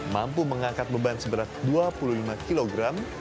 mampu mengangkat beban seberat dua puluh lima kilogram